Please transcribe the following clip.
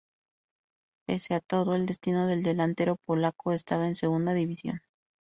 Pese a todo, el destino del delantero polaco estaba en Segunda División.